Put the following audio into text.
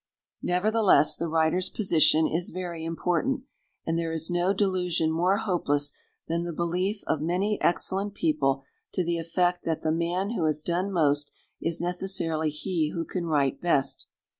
Nevertheless the writer's position is very important; and there is no delusion more hopeless than the belief of many excellent people to the effect that the man who has done most is necessarily he who can write best.